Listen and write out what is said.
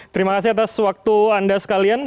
terima kasih atas waktu anda sekalian